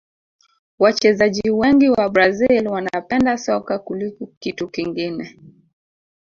wachezaji wengi wa brazil wanapenda soka kuliko kitu kingine